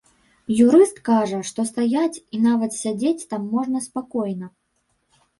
Юрыст кажа, што стаяць і нават сядзець там можна спакойна.